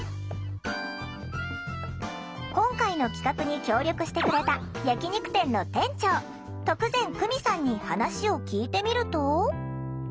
今回の企画に協力してくれた焼き肉店の店長徳善久美さんに話を聞いてみると。